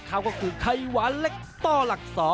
เขาก็คือไข่หวานเล็กต่อหลัก๒